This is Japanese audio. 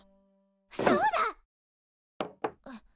そうだ！